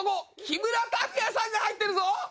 木村拓哉さんが入ってるぞ！